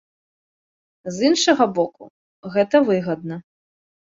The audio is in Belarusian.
З іншага боку, гэта выгадна.